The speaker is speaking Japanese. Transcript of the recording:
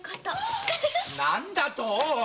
何だとぉ！？